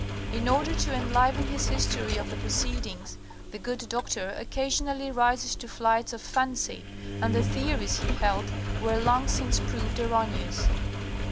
In order to enliven his history of the proceedings, the good Doctor occasionally rises to flights of fancy, and the theories he held were long since proved erroneous.